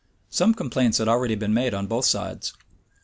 [*] Some complaints had already been made on both sides.